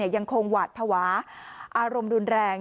ยังคงหวาดภาวะอารมณ์รุนแรง